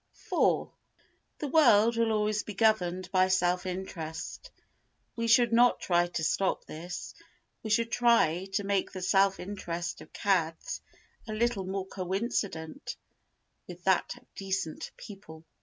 iv The world will always be governed by self interest. We should not try to stop this, we should try to make the self interest of cads a little more coincident with that of decent people.